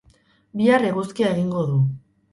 Bihar eguzkia egingo du.